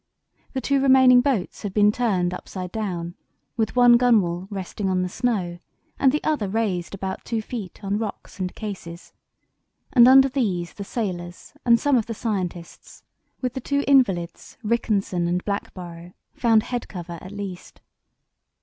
The two remaining boats had been turned upside down with one gunwale resting on the snow, and the other raised about two feet on rocks and cases, and under these the sailors and some of the scientists, with the two invalids, Rickenson and Blackborrow, found head cover at least.